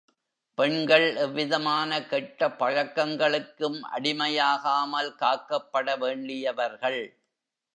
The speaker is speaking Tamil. பெண்கள் எவ்விதமான கெட்ட பழக்கங்களுக்கும் அடிமையாகாமல் காக்கப்பட வேண்டியவர்கள்.